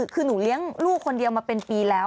คือหนูเลี้ยงลูกคนเดียวมาเป็นปีแล้ว